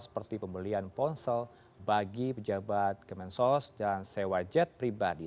seperti pembelian ponsel bagi pejabat kemensos dan sewa jet pribadi